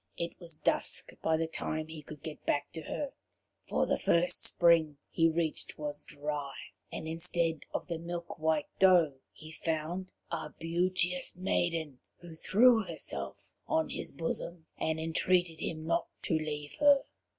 It was dusk by the time he could get back to her, for the first spring he reached was dry, and instead of the milk white doe, he found a beauteous maiden, who threw herself on his bosom and entreated him not to leave her.